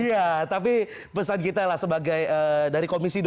iya tapi pesan kita lah sebagai dari komisi dua